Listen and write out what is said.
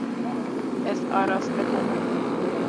Ez araste bûme.